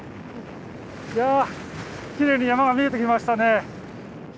いやきれいに山が見えてきましたね。